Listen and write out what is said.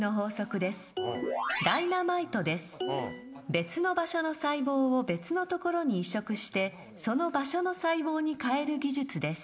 別の場所の細胞を別のところに移植してその場所の細胞に変える技術です。